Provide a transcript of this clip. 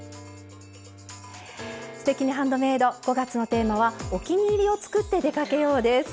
「すてきにハンドメイド」５月のテーマは「お気に入りを作って出かけよう」です。